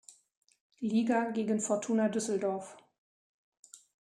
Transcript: Liga gegen Fortuna Düsseldorf.